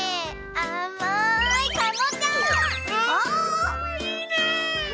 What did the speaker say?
あいいね！